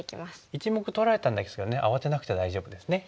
１目取られたんですけど慌てなくて大丈夫ですね。